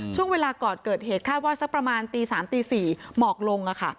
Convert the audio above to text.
ช่วงเวลาก่อนเกิดเหตุคาดว่าสักประมาณตี๓ตี๔หมอกลง